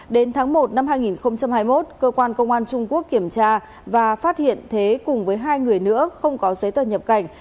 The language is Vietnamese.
đến tháng một năm hai nghìn hai mươi một cơ quan công an trung quốc kiểm tra và phát hiện thế cùng với hai người nữa không có giấy tờ nhập cảnh